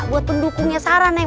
buat pendukungnya sara neng